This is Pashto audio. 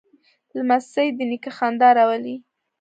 لمسی د نیکه خندا راولي.